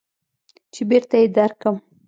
چې بېرته يې درکم.